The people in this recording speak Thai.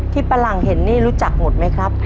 พี่ปลาหลังเห็นนี่รู้จักหมดไหมครับ